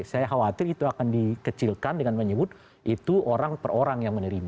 saya khawatir itu akan dikecilkan dengan menyebut itu orang per orang yang menerima